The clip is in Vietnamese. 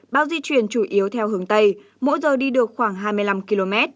bão di chuyển chủ yếu theo hướng tây mỗi giờ đi được khoảng hai mươi năm km